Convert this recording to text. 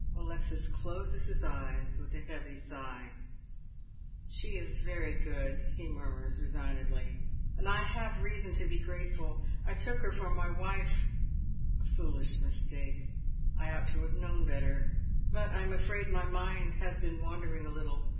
Alexis closes his eyes with a heavy sigh. " She is very good," he murmurs resignedly, " and I have reason to be grateful. I took her for my wife — a foolish mistake. I ought to have known better. But I am afiaid my mind has been wandering a little."